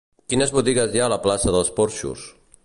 Quines botigues hi ha a la plaça dels Porxos?